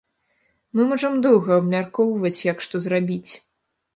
Мы можам доўга абмяркоўваць, як што зрабіць.